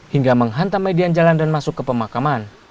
hingga menghantam median jalan dan masuk ke pemakaman